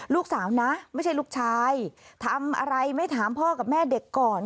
ลูกสาวนะไม่ใช่ลูกชายทำอะไรไม่ถามพ่อกับแม่เด็กก่อน